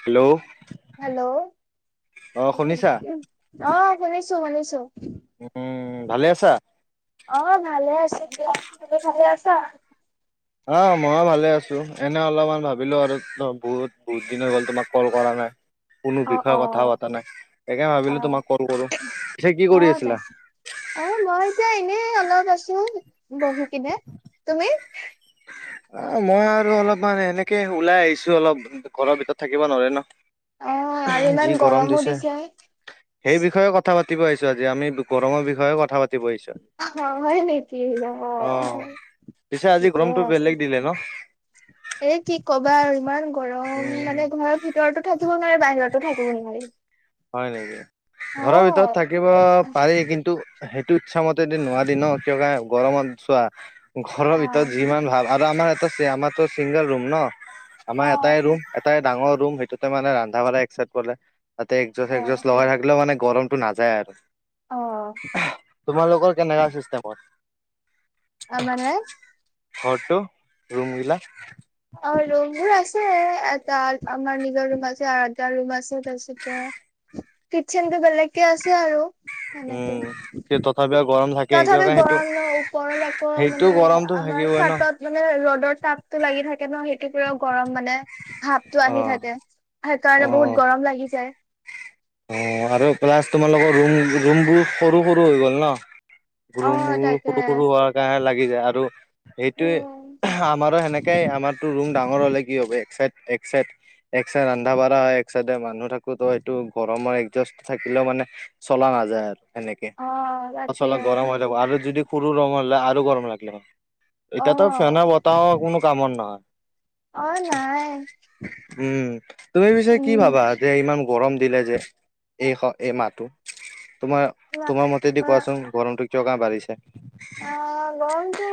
Hello? Hello অ', অ শুনিছা শুনিছো শুনিছো। উম, ভালে আছা? অ', ভালে আছোঁ দিয়া তুমি ভালে আছা? অ', মইও ভালে আছো এনে অলপমান ভাবিলো আৰু বহুত বহুত দিন হৈ গ'ল তোমাক কল কৰা নাই। কোনো অ অ বিষয়ে কথা পতা নাই সেইকাৰণে অ ভাবিলো তোমাক কল কৰো পিছে কি অ কৰি তাই আছিলা? অ', মই এতিয়া এনে অলপ আছো বহি কিনে তুমি? অ', মই আৰু অলপমান এনেকে ওলাই আহিছো অলপ ঘৰৰ ভিতৰত থাকিব নোৱাৰে ন'। অ আৰু ইমান যি গৰম গৰমো দিছে। সেই বিষয়ে কথা পাতিব আহিছো আজি আমি গৰমৰ বিষয়ে কথা পাত অ', হয় নিকি লব অ হয় পিছে আজি গ্ৰমটো বেলেগ দিলে ন'! এ কি কবা আৰু ইমান গৰম উম মানে ঘৰ ভিত তৰতো থাকিব নোৱাৰে বাহিৰতো থাকিব নোৱাৰি। হয় নিকি অ ঘৰৰ ভিতৰত থাকিব পাৰি কিন্ সেটো সেইটো ইচ্ছামতে দি নোৱাৰি ন' কিয় কাণে গৰমত চোৱা ঘৰৰ ভিতৰত যিমান ভাল আৰু আমাৰ এটা আমাৰটো চিংগল ৰুম ন অ অ আমাৰ এটাই ৰুম এটাই ডাঙৰ ৰুম সেইটোতে মানে ৰান্ধা বঢ়া একচাইদ কৰে তে এক যোছ এক যোছ অ লগাই ৰাখিলেও মানে গৰমটো নাযায় আৰু অ তোমালোকৰ কেনেকা চিষ্টেম হয় আ মানে ঘৰটো ৰুম গিলা অ ৰুম বোৰ আছে এটা আমাৰ নিজৰ ৰুম আছে আৰু এটা ৰুম আছে তা-পিছতে কিচেনটো বেলেগকে আছে আৰু সেনেকে উম কিন্তু তথাপিও গৰম থাকে তথাপি কিয়বা সেইটো গৰম ন ওপৰত আকৌ সেইটো মানে গৰমটো আমাৰ থাকিবই ন চাটত মানে ৰ'দৰ তাপটো লাগি থাকে ন সেইটো পৰাও গৰম মানে ভাপটো অ আহি থাকে সেই অ কাৰণে বহুত গৰম লাগি যায় অ আৰু প্লাছ তোমালোকৰ ৰুম ৰুম বোৰ সৰু সৰু হৈ গ'ল ন অ ৰুমবোৰ তাকে সৰু সৰু হোৱাৰ কাৰণে লাগি যায় আৰু উম সেইটোৱে আমাৰো সেনেকাই আমাৰতো ৰুম ডাঙৰ হলে কি হ'ব এক চাইড এক চাইড এক চাইড ৰন্ধা বাঢ়া হয় এক চাইডে মানুহ থাকো ত এইটো গৰমৰ এডজাষ্ট থাকিলেও মানে চলা নাযায় আৰু সেনেকে অ তাকে পাচলে গৰম হৈ যাব আৰু যদি সৰু ৰুম হলে আৰু গৰম লাগিলে হয় অ এতিয়াতো ফেনৰ বতাহৰ কোনো কামৰ নহয় অ নাই উম তুমি পিছে কি উম ভাবা যে ইমান গৰম দিলে যে এই স এই মাহটো তোমাৰ তোমাৰ মতেদি অ কোৱাচোন গৰমটো কিয়হ কাৰণে বাঢ়িছে অ গৰমটো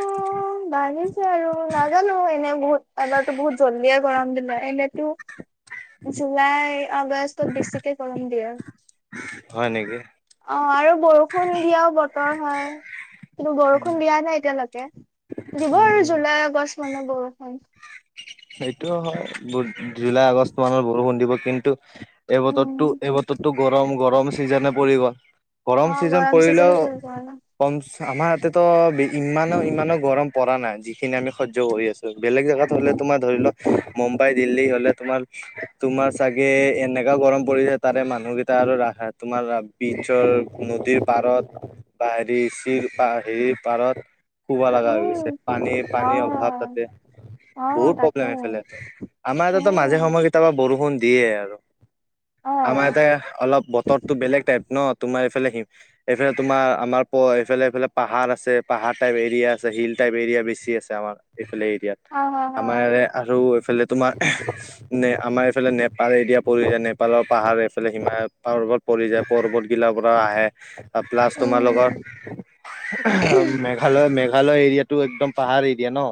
বাঢ়িছ চে আৰু, নাজানো এনেই বহুত এবাৰতো বহুত জলদিয়ে গৰম দিলে, এনেতো জুলাই, আগষ্টত বেছিকে গৰম দিয়ে। হয় নেকি? অ' আৰু বৰষুণ দিয়াও বতৰ হয়। কিন্তু বৰষুণ দিয়া নাই এতিয়ালৈকে, দিব আৰু উম জুলাই আগষ্ট মানত বৰষুণ। সেইটো হয়, বুধ জুলাই আগষ্ট মানত বৰষুণ দিব কিন্তু এই বতৰটো, উম, এই বতৰটো গৰম গৰম চিজনে পৰিব। গৰম অ', চিজন পৰিলেও চিজনে পৰিব আৰু। কম, আমাৰ ইয়াতেতো ইমান ইমানো গৰম পৰা নাই, যিখিনি আমি সহ্য কৰি আছোঁ। বেলেগ জেগাত হ'লে তোমাৰ ধৰি লোৱা মুম্বাই, দিল্লী হ'লে তোমাৰ তোমাৰ চাগে এনেকা গৰম পৰিছে, তাৰে মানুহকেইটা আৰু ৰাখা তোমাৰ পিছৰ নদীৰ পাৰত বা হেৰি চিৰ পাৰ হেৰিৰ পাৰত শুবা লগা হৈ গৈছে। উম, পানী পানীৰ অভাৱ অ', তাতে। অ', বহুত তাকে প্ৰব্লেম অ', এইফালে। আমাৰ ইয়াতেতো মাজে অ'। সময়ে কেতিয়াবা বৰষুণ দিয়ে আৰু। হয়, আমাৰ ইয়াতে অলপ বতৰটো বেলেগ টাইপ ন' তোমাৰ এইফালে সিম এইফালে তোমাৰ আমাৰ প এইফালে এইফালে পাহাৰ আছে, পাহাৰ টাইপ এৰিয়া আছে, হিল টাইপ এৰিয়া বেছি আছে আমাৰ। এইফালে এৰিয়াত। অ' হয় হ। আমাৰ ইয়াৰে আৰু এইফালে তোমাৰ নে আমাৰ এইফালে নেপাল এৰিয়া পৰি কেনে নেপালৰ পাহাৰ এইফালে হিমালয় পৰ্বত। পৰি যায়, পৰ্বত গিলাৰ পৰা আহে, প্লাছ তোমাৰ লগত উম, আৰু মে ফালে মেঘালয় এৰিয়াটো একদম পাহাৰ এৰিয়া ন'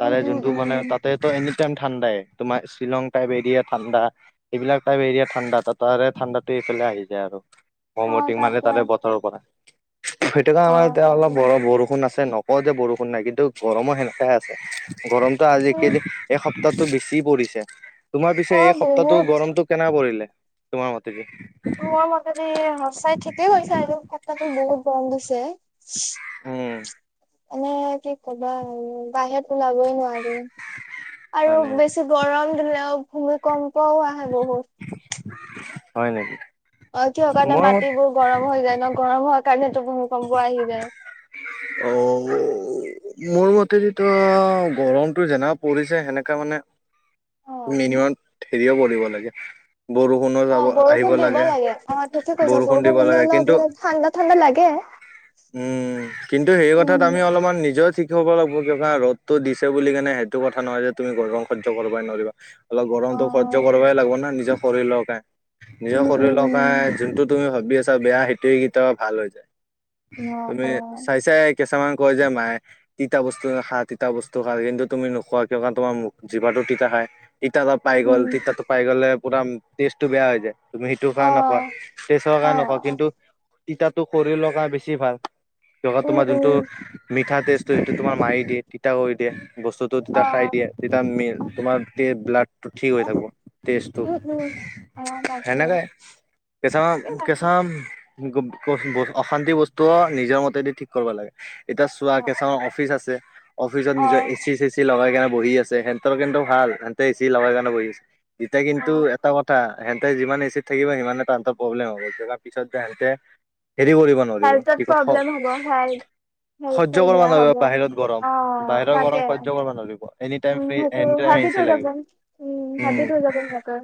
উম, যোনটো উম, মানে উম, তাত তেত' এনি টাইম ঠাণ্ডাই। তোমাৰ শ্বিলং টাইপ এৰিয়া ঠাণ্ডা। এইবিলাক টাইপ এৰিয়া ঠাণ্ডা, তা তাৰে ঠাণ্ডাটো এইফালে আহি যায় আৰু। অ', কমতি মানে তাকে তাৰে বতৰৰ পৰা, সেইটোকাে কাৰনে মানে অ', এতিয়া অলপ তাকে বৰ বৰষুণ আছে ন' ক যে বৰষুণ নাই কিন্তু গৰমো সেনেকাই আছে। গৰমটো উম। আজিকালি এসপ তাটো বেছি পৰিছে। তোমাৰ পিছে অ এই সপ্তাহটো বহুত গৰমটো কেনেকা পৰিলে তোমাৰ মতেগে? মোৰ মতেতে সঁচাই ঠিকেই কৈছা আৰু [unintelligible] বহুত বন্ধ দিছে। উম [inaudible] এনে কি কবা আৰু, বাহিৰত ওলাবই নোৱাৰি হয় আৰু নে বেছি গৰম দিলেও ভূমি কম্পও আহে বহুত। হয় নেকি? অ' থিয়ৰ কাৰণে মোৰ মত মাটিবোৰ গৰম হৈ যায় ন', গৰম হোৱাৰ কাৰণেতো ভূমিকম্প আহি যায়। অ' মোৰ মতে যেতো গৰমটো যেনেকা পৰিছে সেনেকা মানে অ মিনিমাম হেৰিও পৰিব লাগে, বৰষুণৰ অ' বৰষুণ দিব লাগে। অ' ঠিকে কৈছা, দিব বৰষুণ দিলে লাগে অলপ কিন্তু মানে ঠাণ্ডা ঠাণ্ডা লাগে। উম, কিন্তু হেৰি উম কথাত আমি অলপমান নিজেও ঠিক [unintelligible] লাগব কিহ [unintelligible] ৰ'দটো দিছে বুলি কেনে সেইটো কথা নহয় যে তুমি গৰম সহ্য কৰিবাই নোৱাৰিবা। অলপ অ গৰমতো সহ্য কৰিবই লাগব না, নিজৰ শৰীলকে, নিজৰ উম উম শৰীলক [unintelligible] যোনটো তুমি ভাবি আছা বেয়া সেইটোই কেতিয়াবা ভাল হৈ যায়। উম অ তুমি অ চাইছাই কেচামান কয় যে মায়ে তিতা বস্তু নাখা, তিতা বস্তু খা কিন্তু তুমি নোখোৱা কিয় কাৰ তোমাৰ মুখ জি তিতা খায়। তিতাকৰ পাই গ'ল, উম তিতাটো পাই গ'লে পুৰা টেষ্টটো বেয়া হৈ যায়। তুমি সেইটোৰ অ কাৰণে নকোৱা তেজৰ কাৰণে নকোৱা অ কিন্তু তিতাটো খৰি লগ বেছি বেছি ভাল ক উম তোমাৰ যোনটো উম মিঠা টেষ্টটো সেইটো তোমাৰ মাৰি দিয়ে তিতা কৰি দিয়ে বস্তু তেতিয়া খাই দিয়ে তেতিয়া মিল তোমাৰ ব্লাডটো ঠিক অ হৈ যাব তেজটো উম, উম, অ, তাকে সেনেক কেচাম এই বাকী, কেচা অশান্তি বস্তু নিজৰ মতে দি ঠিক কৰিব লাগে এতিয়া চোৱা অ, কেচাৰ অফিচ আছে অফিচত অ, নিজৰ এ চি চেচি এ চি লগাই কাৰনে বহি আছে সেহতৰ কেন্তু ভাল হেহতে এ চি লগাই কাৰণে বহি আছে এতিয়া অ, কিন্তু এটা কথা সেহঁতে যিমান এচিত থাকিব সিমানে তাহাঁতৰ প্ৰব্লেম হ'বতি পিছত যে সহতে হেৰি কৰিব নোৱাৰিব হেল্থত কি কয় প্ৰব্লেম হব হয় সহ্য কৰিব নোৱাৰিব বাহিৰত গৰম অ, বাহিৰত তাকে গৰম সহ্য কৰিব নোৱাৰিব এনে উম, সেইটো এনিটাই ভাবি আহি থৈ যাব। লাগিব ভাবি উম থৈ যাব সিহঁতে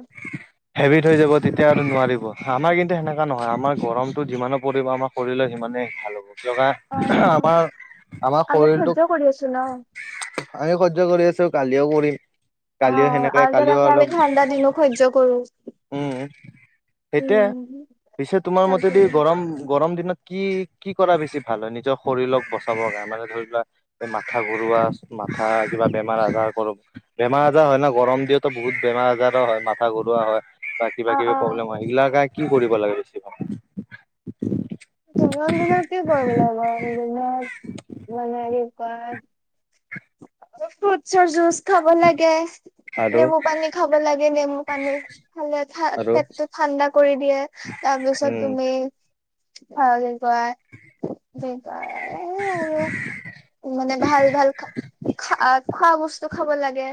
হেভি থ হৈ যাব তেতিয়া আৰু নোৱাৰিব আমাৰ কিন্তু সেনেকা নহয় আমাৰ গৰমতটো যিমানো পৰিব আমাৰ শৰীৰ মানে ভাল হ'ব কিয় অ, অ, আমাৰ আমাৰ আমি সহ্য শৰীৰটোক কৰি আছো ন। আমিও সহ্য কৰি আছো কালিও কৰিম অ, কালিও সেনেকাই আৰু যে কালিও লাগে আমি অলপ ঠাণ্ডা দিনো সহ্য কৰো। উম সেইতিয়া উম, পিছে তোমাৰ মতে তাকে দি গৰম গৰম দিনত কি কি কৰা বেছি ভাল হয় নিজৰ শৰীৰক বচাব কাৰণে মানে ধৰি লোৱা মাথা ঘৰুৱা মাথা কিবা বেমাৰ আজাৰ কৰো বেমাৰ আজাৰ হয় ন গৰম দিয়ো বহুত বেমাৰ আজাৰো হয় মাথা ঘৰুৱা হয় বা কিবা অ, অ, কিবি প্ৰব্লেম হয় এইগিলাকে কি কৰিব লাগে বেছি ভাগ জন্ম দিনা কি কৰিম? জন্ম দিনা মানে কি কয় ফ্ৰুটছৰ জুচ খাব লাগে আৰু নেমু পানী খাব লাগে নেমু পানী। খালে ঠা‌ আৰু পেটটো ঠাণ্ডা কৰি দিয়ে তাৰ পিছত উম তুমি [unintelligible] উ মানে ভাল ভাল খ খ খোৱা বস্তু খাব লাগে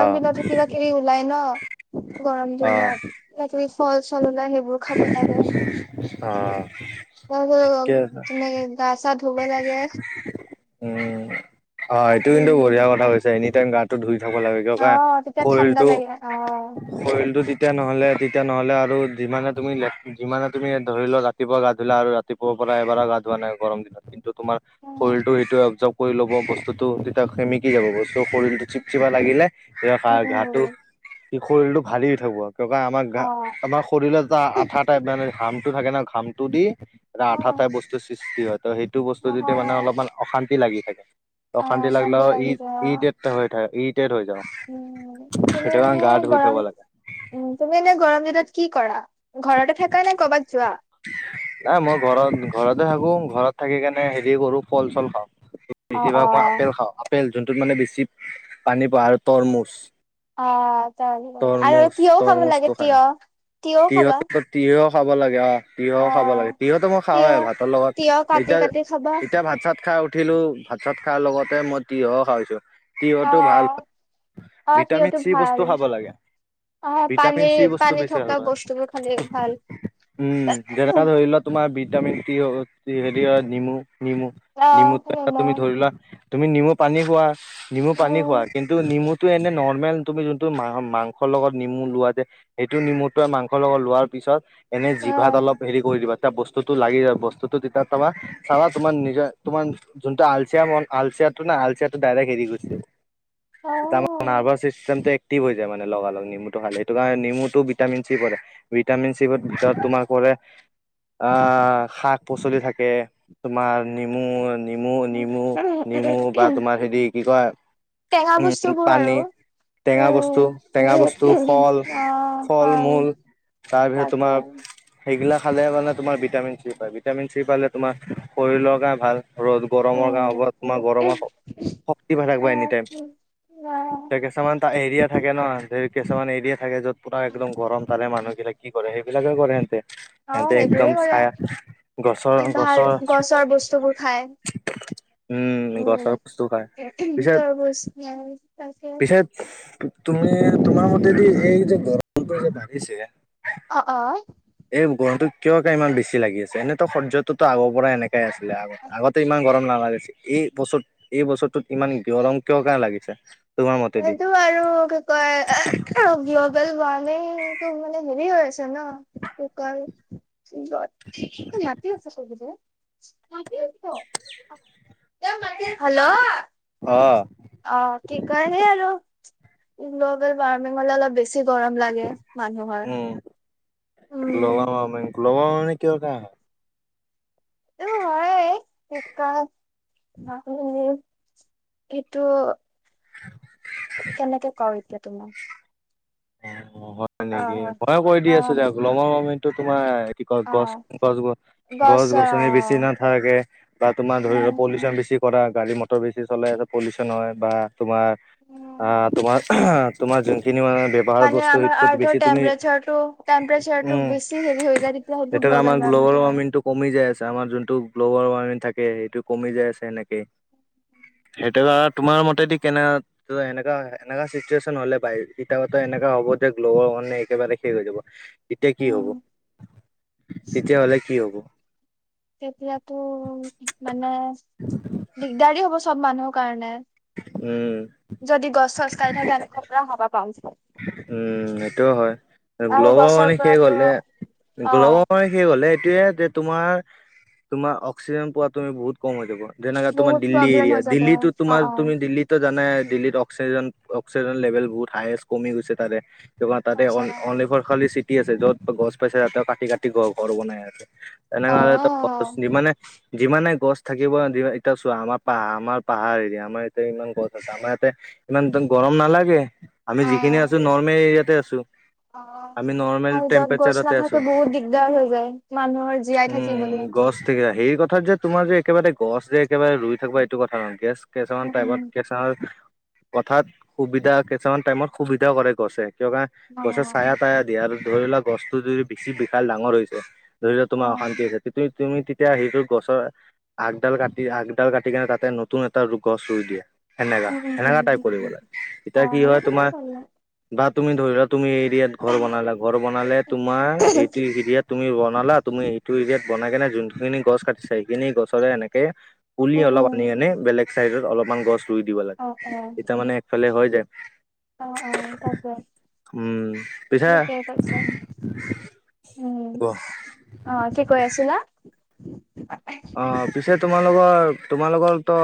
অ দিনতো কিবা কিবি ওলাই ন। গৰম অ দিনত কিবা কিবি ফল চল ওলাই সেইবোৰ। খাব লাগে অ ঠিকে ত আছে তুমে গা ছা ধুব লাগে। উম অ এইটো কিন্তু বঢ়িয়া উম কথা হৈছে এনি টাইম গাত ধুই থাক লাগে অ' তেতিয়া ঠাণ্ডা শাৰীটো লাগে অ' শৰীটো তেতিয়া নহ'লে তেতিয়া নহ'লে আৰু যিমানে তুমি লখ যিমানে তুমি ধৰি লোৱা ৰাতিপুৱা গা ধুলা আৰু ৰাতিপুৱাৰ পৰা এবাৰ গা ধোৱা নাই গৰম দিনত কিন্তু তোমাৰ উম শৰীৰটো সেইটোোৱে এবজাৰভ কৰি ল'ব বস্তুতটো সেমিকি যাব বস্তু শৰীৰটো চিপচিপা লাগিলে উম ঘাটো উম স শৰীৰটো ভালি হৈ থাকো আৰু আমাৰ ঘা অ' আমাৰ শৰীৰৰ এ আঠা টাইপ মানে ঘামটো থাকে ন ঘামটো দি। এ আঠা টাইপ অ' বস্তুৰ সৃষ্টি হয় ত সেইটো বস্তু যদি হয় মানে হয়। অলপমান অশান্তি লাগি থাকে- অ', অশান্তি লাগিলে ই লাগি যায় অ', ইৰিটেড হৈ থাক ইৰিটেড হৈ যাওঁ উম, তুমি সেইটোকাৰনে‌ এনে গা ধুই থব গৰম লাগে। উম তুমি এনে গৰম দিনত কি কৰা ঘৰতে থাকা নে কৰ'বাত যোৱা? নাই মই ঘৰত ঘৰতে থাকো ঘৰত থাকি কেনে হেৰি কৰো ফল চল খাওঁ। অ', বেছি ভাগ মই অ'। আপেল খাওঁ আপেল যোনটোত মানে বেছি পানী পাও আৰু তৰমুজ। অ তৰমুজ আৰু তিয়হ খাব লাগে তৰমুজটো খাই তিয়হ। তিয়হ তিয়হ খাব লাগে অ। তিয়হ খাব অ', লাগে তিয়হটো মই খাওঁয়ে তিয়হ ভাতৰ লগত তিয়হ কাটি এতিয়া কাটি খাবা এতিয়া ভাত চাত খাই উঠিলো ভাত চাত খোৱাৰ লগতে মই তিয়হ খাইছো। তিয়হতো ভাল অ'। অ', ভিটামিন তিয়হটো চি বস্তু ভাল খাব লাগে। অ', পানী ভিটামিন চি বস্তু পানী বেছি খাব থকা লাগে বস্তুবোৰ খালে ভাল। উম যেনে ধৰি ল তোমাৰ ভিটামিন চি‌ হেৰি নেমু নেমু নেমু অ', তুমি নিমখ ধৰিলোৱা। তুমি নেমু পানী খোৱা নেমু পানী উম খোৱা কিন্তু নেমু তে এনে নৰ্মেল তুমি যোনটো মা মাংসৰ লগত নেমু লোৱা যে সেইটো নেমুত। মাংস লগত লোৱাৰ পিছত এনে জিভাত অলপ হেৰি কৰি দিবা। তেতিয়া বস্তুটো লাগি যাব বস্তুটো তেতিয়া তাৰপা চাবা তোমাৰ নিজৰ তোমাৰ যোনটো আলচিয়া মন আলচিয়াটো না আলচিয়াটো ডাইৰেক্ট এৰি গৈছে অ অ এতিয়া আমাৰ নাৰ্ভছ চিষ্টেমটো এক্টিভ হৈ যায় মানে লগালগ নেমুটো খালে সেইটো কাৰণে নেমুটো ভিটামিন চি পৰে ভিটামিন চি ভিতৰত তোমাৰ পৰে অ শাক পাচলি থাকে তোমাৰ নেমু নেমু নেমু নেমু বা তোমাৰ হেৰি কি কয় টেঙা উম বস্তুবোৰ আৰু পানী টেঙা বস্তু উম, অ', টেঙা হয় বস্তু ফল ফল মূল তাৰপিছত তাকে। তোমাৰ সেইগিলা খালে মানে তোমাৰ ভিটামিন চি পায় ভিটামিন চি পালে তোমাৰ শৰীৰলৈকে ভাল ৰ'দ গৰমৰ গা উম, তোমাৰ গৰমৰ শক্তি পাই থাকিবা অ', এনিটাইম তে কিছুমানত এৰিয়া থাকে ন যে কিছুমান এৰিয়া থাকে য'ত পুৰা একদম গৰম তাৰে মানুহবিলাক কি কৰে সেইবিলাকে কৰে সিহঁতে অ', সিহঁতে সেইবোৰে একদম কৰে চাই গছৰ ভাল গছৰ বস্তুবোৰ খায়। উম গছৰ বস্তু খায় পিছে তৰমুজ তাকে পিছে তুমি তোমাৰ মতেদি এই যে গৰমটো যে বাঢ়িছে অ অ এই গৰমতো কিয় কে ইমান বেছি লাগি আছে এনেতো সূৰ্যতো আগৰ পৰা এনেকাই আছিলে আগত আগতে ইমান গৰম নালাগিছে এই বছৰ এই বছৰটোত ইমান গৰম কিয় কাৰণে লাগিছে? তোমাৰ মতেদি এইটো আৰু কি কয় [unintelligible] কাল ৱাৰ্নিং তো মানে মিলি গৈ আছে ন কুকাৰ থেংক গড ত ইয়াতে আছে টেবুলত তাতে আছ তা মাকে খা হেল্ল অ অ কি সেই কাৰণে আৰু গ্ল'বেল বাৰ্মিঙহলে অলপ বেছি গৰম লাগে মানুহৰ অ global um, warming global warming কিহৰ কাৰনে এইটো [unintelligible] এইটো [inaudible] কেনেকে কও এতিয়া তোমাক অ হয় অ', নেকি অ', ময়ো কৈ দি আছো‌ দিয়া গ্ল ৱাৰ্মিংতো তোমাৰ কি কয় গছ অ', গছ গছ গছৰ গছনি বেছি অ', নাথাকে বা তোমাৰ ধৰি ল উম, পলিউচন বেছি পৰা গাড়ী মটৰ বেছি চলাই পলিউচন হয় বা তোমাৰ উম। আহ তোমাৰ আহ তোমাৰ যোনখিনি মানে ব্যৱহাৰ মানে বস্তু আমাৰ জৰিত আৰ্থৰ বেছি তুমি টেম্পৰেচাৰটো অ টেম্পৰেচাৰটো বেছি হেৰি হৈ যায় তেতিয়া সেইটো এতিয়া গ্ল'বেল আমাৰ গ্লৱেল ৱাৰ্মিংটো হয়। ৱাৰ্মিং টো কমি যাই আছে আমাৰ যোনটো গ্ল'ৱেল ৱাৰ্মিং থাকে সেইটো কমি যাই আছে এনেকে। সেইটো কাৰনে তোমাৰ মতেদি কেনে এনেকা এনেকা চিটুৱেশচন হলে বাই ইটাভাটা এনেকা হ'ব যেতিয়া গ্লোবেল ৱাৰ্মিং একেবাৰে শেষ হৈ যাব তেতিয়া কি উম, হব? তেতিয়া হ'লে কি হ'ব? তেতিয়া তো মানে দিগদাৰী হ'ব চব মানুহৰ কাৰণে। উম! যদি গছ চছ কাটি থাকে আমি কৰ পৰা খাবা পাম। উম! সেইটোও হয়। আৰু গ্ল'ৱেল গছৰ ৱাৰ্মিং শেষ হলে পৰাতো অ গ্ল'ৱেল ৱাৰ্মিং শেষ হলে এইটোয়ে তোমাৰ তোমাৰ অক্সিজেন পোৱা তুমি বহুত। কম হৈ যাব যেনেকা তোমাৰ বহুত দিল্লী প্ৰব্লেম এৰিয়া হৈ যাব দিল্লীটো অ তোমাৰ অ তুমি দিল্লীত ত জানাই দিল্লীত অক্সিজেন অক্সিজেন লেভেল বহুত হাইষ্ট কমি গৈছে তাৰে। তাতে আচ্ছা অনলি খালী চিটি আছে য'ত গছ পাইছে তাতে কাটি কাটি ঘৰ বনাই আছে। অ এনেকাহলে অ ত ত [inaudible] চ যিমানে যিমানে গছ থাকিব এতিয়া চোৱা আমাৰ পাহাৰ আমাৰ পাহাৰ এৰিয়া আমাৰ ইয়াতে ইমান গছ আছে আমাৰ ইয়াতে। ইমান গৰম নালাগে, আমি যিখিনি আছো নৰ্মেল এৰিয়াতে আছো। অ আমি নৰ্মেল আৰু য'ত গছ টেম্পৰেচাৰতে আছো নাথাকে বহুত দিগদাৰ হৈ যায় মানুহৰ জীয়াই থাকিবলে। সেই কথাত যে তোমাৰ যে একেবাৰে গছ যে একেবাৰে ৰুই থাকিবা এইটো কথা নহয় গেছ কিছুমান উম উম টাইমত কিছুমান কথাত সুবিধা কিছুমান টাইমত সুবিধা কৰে গছে কিয় কানে অ গছে ছায়া অ তায়া দিয়ে আৰু। ধৰি লোৱা গছটো যদি বেছি বিশাল ডাঙৰ হৈ যায়। ধৰি লোৱা তোমাৰ অশান্তি হৈছে তুমি তেতিয়া সেইটো গছৰ আগডাল কাটি আগডাল কাটি কেনে তাতে নতুন এটা ৰ গছ ৰুই দিয়া। সেনেকা উম সেনেকা টাইপ কৰিব লাগে তেতিয়া কি হয়। কেটা তোমাৰ কৰিলা [inaudible] বা তুমি ধৰি লোৱা তুমি এই এৰিয়াত ঘৰ বনালা ঘৰ বনালে তোমাৰ এইটো এৰিয়াত। তুমি বনালা তুমি সেইটো এৰিয়াত বনাই কেনে যোনখিনি গছ কাটিছা সেইখিনি গছৰে এনেকে। পুলি উম অলপ উম আনি আনি বেলেগ চাইডত অলপমান গছ ৰুই দিব অ লাগে অ তেতিয়া মানে একফালে হয় যায়। অ অ তাকে উম পিছে। ঠিকে কৈছা উম ক অ কি কৈ আছিলা। অ পিছে তোমালোকৰ তোমালোকৰ তো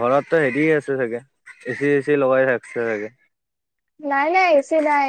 ঘৰত হেৰি আছে চাগে। এ চি এ চি লগাই থাকছে চাগে। নাই নাই এ চি নাই।